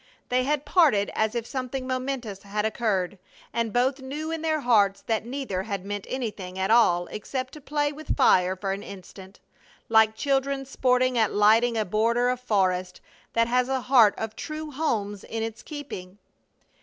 They had parted as if something momentous had occurred, and both knew in their hearts that neither had meant anything at all except to play with fire for an instant, like children sporting at lighting a border of forest that has a heart of true homes in its keeping.